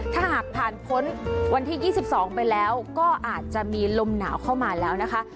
ถ้าหากผ่านพ้นวันที่๒๒ไปแล้วก็อาจจะมีลมหนาวเข้ามาแล้วนะคะ